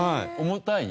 重たい？